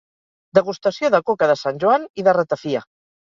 Degustació de coca de Sant Joan i de ratafia.